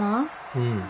うん。